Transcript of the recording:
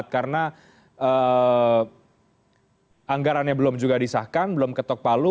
karena anggarannya belum juga disahkan belum ketok palu